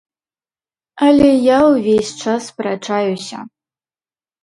Але я ўвесь час спрачаюся.